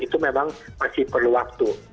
itu memang masih perlu waktu